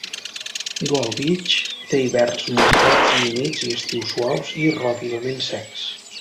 Gold Beach té hiverns molt freds i humits i estius suaus i relativament secs.